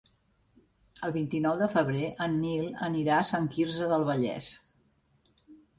El vint-i-nou de febrer en Nil anirà a Sant Quirze del Vallès.